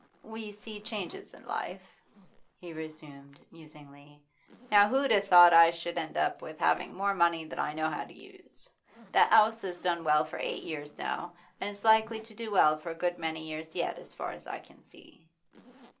'We see changes in life,' he resumed, musingly. 'Now who'd a' thought I should end up with having more money than I. know how to use? The 'ouse has done well for eight years now, an' it's likely to do well for a good many years yet, as far as I can see.